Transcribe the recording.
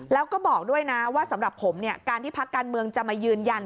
แล้วก็บอกด้วยนะว่าสำหรับผมเนี่ยการที่พักการเมืองจะมายืนยัน